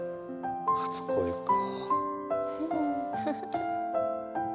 初恋か。